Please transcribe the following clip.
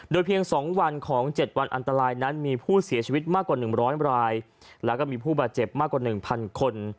เพียง๒วันของ๗วันอันตรายนั้นมีผู้เสียชีวิตมากกว่า๑๐๐รายแล้วก็มีผู้บาดเจ็บมากกว่า๑๐๐คน